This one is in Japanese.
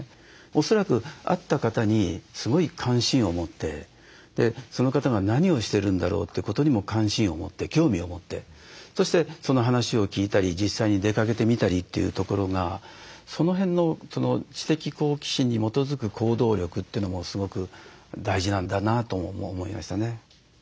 恐らく会った方にすごい関心を持ってその方が何をしてるんだろう？ということにも関心を持って興味を持ってそしてその話を聞いたり実際に出かけてみたりというところがその辺の知的好奇心に基づく行動力というのもすごく大事なんだなとも思いましたね。